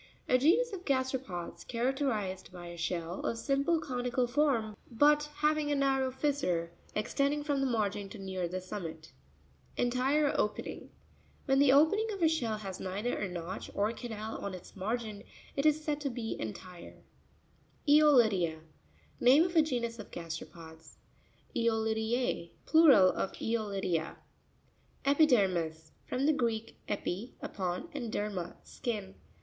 A genus of gasteropods, character ized by a shell of simple conical form, but having a narrow fissure, extending from the margin to near the summit (page 61). ENTIRE opeNinc.— When the opening of a shell has neither a notch or canal on its margin, it is said to be entire (page 94, and page 50, ee (pag pag H'otrp1a.—Name of a genus of gaste ropods (page 65). E'o.ip12,—Plural of Eolidia. Epipe'rmis,—From the Greek, epi, upon, and derma, skin.